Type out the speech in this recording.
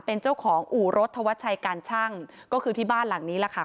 เป็นเจ้าของอู่รถธวัชชัยการชั่งก็คือที่บ้านหลังนี้แหละค่ะ